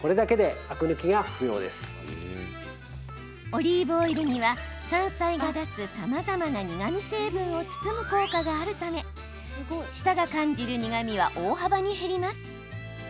オリーブオイルには山菜が出すさまざまな苦み成分を包む効果があるため舌が感じる苦みは大幅に減ります。